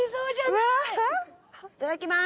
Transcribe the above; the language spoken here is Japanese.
いただきます。